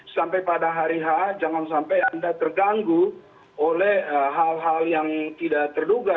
sampai pada hari h jangan sampai anda terganggu oleh hal hal yang tidak terduga